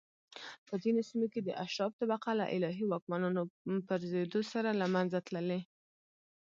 په ځینو سیمو کې اشراف طبقه له الهي واکمنانو پرځېدو سره له منځه تللي